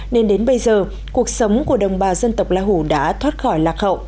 nên đến bây giờ cuộc sống của đồng bào dân tộc la hủ đã thoát khỏi lạc hậu